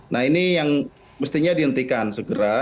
nah ini yang mestinya dihentikan segera